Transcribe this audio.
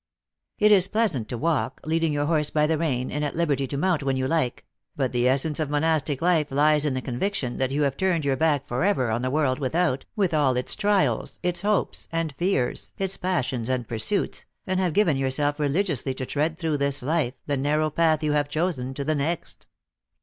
It is pleasant to walk, leading your horse by the rein, and at liberty to mount when you like; but the essence of monastic life lies in the conviction that you have turned your back forever on the world without, with all its trials, its hopes and fears, its passions and pursuits, and have given yourself religiously to tread through this life, the narrow path you have chosen, to the next."